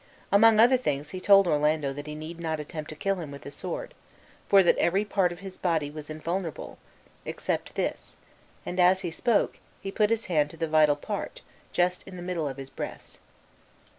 Among other things he told Orlando that he need not attempt to kill him with a sword, for that every part of his body was invulnerable, except this; and as he spoke, he put his hand to the vital part, just in the middle of his breast.